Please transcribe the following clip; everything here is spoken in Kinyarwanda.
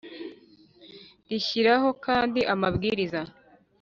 Rishyiraho kandi amabwiriza